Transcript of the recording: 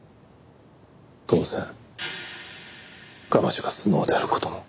当然彼女がスノウである事も。